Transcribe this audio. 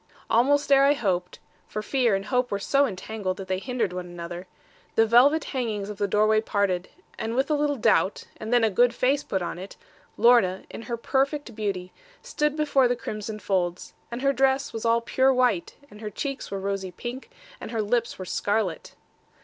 Almost ere I hoped for fear and hope were so entangled that they hindered one another the velvet hangings of the doorway parted, with a little doubt, and then a good face put on it. Lorna, in her perfect beauty, stood before the crimson folds, and her dress was all pure white, and her cheeks were rosy pink, and her lips were scarlet.